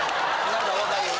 何か分かるよ。